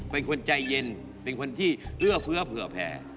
เป็นคนใจเย็นเป็นคนที่เอื้อเฟื้อเผื่อแผ่